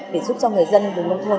để giúp cho người dân người nông thôn